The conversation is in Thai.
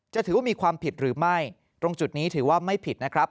ถือว่ามีความผิดหรือไม่ตรงจุดนี้ถือว่าไม่ผิดนะครับ